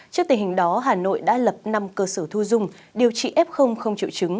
trước tình hình đó hà nội đã lập năm cơ sở thu dung điều trị f không triệu chứng